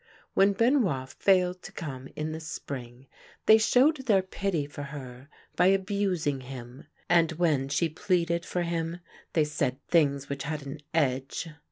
When Benoit failed to come in the spring, they showed their pity for her by abusing him ; and when she pleaded for him they said things which had an edge.